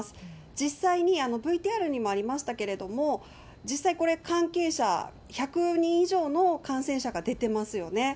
実際にＶＴＲにもありましたけれども、実際これ、関係者１００人以上の感染者が出てますよね。